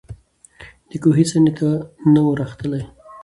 د کوهي څنډي ته نه وو راختلی